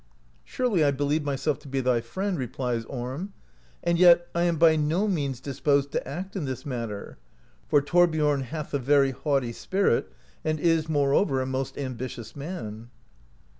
"Surely I believe myself to be thy friend," replies Orm, "and yet I am by no means disposed to act in this matter, for Thor biorn hath a very haughty spirit, and is moreover a most ambitious man."